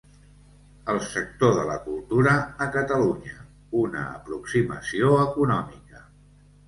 El sector de la cultura a Catalunya: una aproximació econòmica.